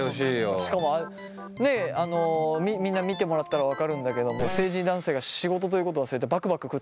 しかもねっみんな見てもらったら分かるんだけども成人男性が仕事ということを忘れてバクバク食ってますから。